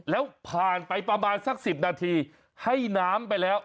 แล้วผ่านไปประมาณสัก๑๐นาทีให้น้ำไปแล้ว